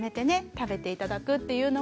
食べて頂くっていうのも。